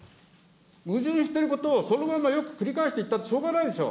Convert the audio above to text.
矛盾していることをそのままよく繰り返して言ったってしょうがないでしょ。